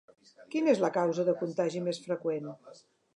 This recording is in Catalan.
Quina és la causa de contagi més freqüent?